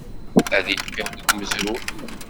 Ad yeqqim deg umezruy.